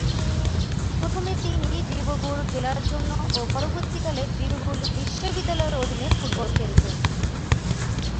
প্রথমে তিনি ডিব্রুগড় জেলার জন্য ও পরবর্তীকালে ডিব্রুগড় বিশ্ববিদ্যালয়ের অধীনে ফুটবল খেলতেন।